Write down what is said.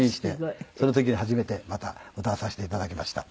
その時に初めてまた歌わさせて頂きました。